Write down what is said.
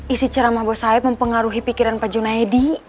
isi ceramah bos saeb mempengaruhi pikiran pak junedi